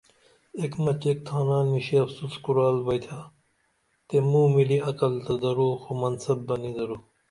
ایک مچ ایک تھانہ نِشی افسُس کُرال بئیتھا تے موملی عقل تہ درو خو منصب بہ نی درو